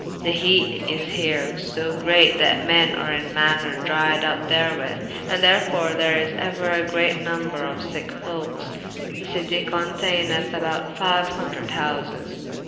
The heate is here so great, that men are in maner dryed up therewith. [p.357] And therefore there is euer a great number of sicke folkes. The citie conteyneth about fyue hundred houses.